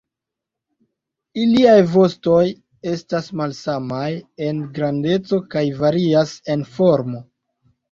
Iliaj vostoj estas malsamaj en grandeco kaj varias en formo.